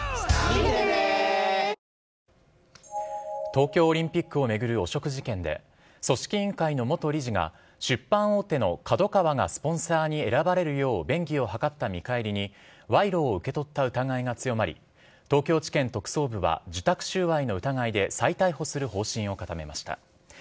東京オリンピックを巡る汚職事件で、組織委員会の元理事が、出版大手のＫＡＤＯＫＡＷＡがスポンサーに選ばれるよう便宜を図った見返りに、賄賂を受け取った疑いが強まり、東京地検特捜部は受託収賄の疑いで再逮捕する方針を固めました。